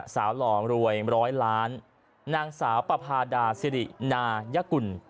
สาวหล่อรวยร้อยล้านนางสาวปรารถกราศิฬินายกุล